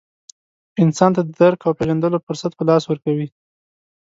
انسان ته د درک او پېژندلو فرصت په لاس ورکوي.